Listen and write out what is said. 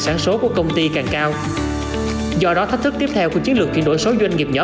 sản số của công ty càng cao do đó thách thức tiếp theo của chiến lược chuyển đổi số doanh nghiệp nhỏ